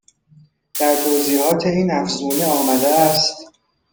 در توضیحات این افزونه آمده است